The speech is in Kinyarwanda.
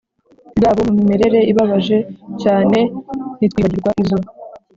Bwabo mu mimerere ibabaje cyane ntitwibagirwa izo